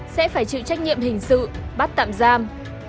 sẽ phải chịu trách nhiệm hình sự bắt tạm giam